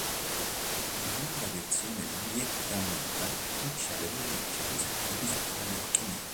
Nella versione vietnamita il celebre dolce presenta i piselli dagli occhi neri.